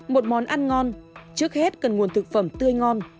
một món ăn ngon trước hết cần nguồn thực phẩm tươi ngon